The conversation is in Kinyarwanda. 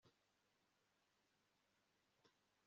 nsigara nsingiza uwantanagiye